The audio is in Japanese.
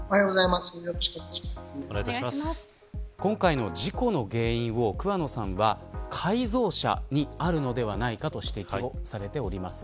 今回の事故の原因を桑野さんは改造車にあるのではないかと指摘しています。